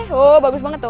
wah bagus banget tuh